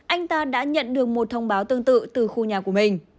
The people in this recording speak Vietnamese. anh ta đã nhận được một thông báo tương tự từ khu nhà của mình